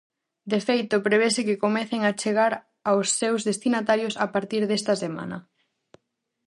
De feito, prevese que comecen a chegar aos seus destinatarios a partir desta semana.